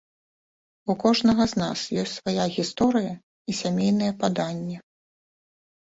У кожнага з нас ёсць свая гісторыя і сямейныя паданні.